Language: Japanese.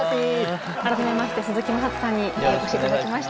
改めまして鈴木優人さんにお越し頂きました。